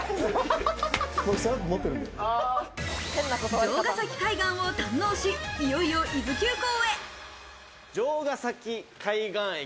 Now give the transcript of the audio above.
城ヶ崎海岸を堪能し、いよいよ伊豆急行へ。